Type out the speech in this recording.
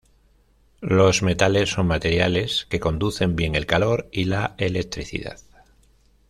Los metales son materiales que conducen bien el calor y la electricidad.